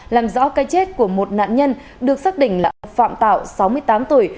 làm rõ cái chết của một nạn nhân được xác định là phạm tạo sáu mươi tám tuổi